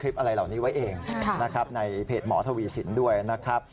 อะไรเหล่านี้ไว้เองนะครับในเพจหมอทวีสินด้วยนะครับ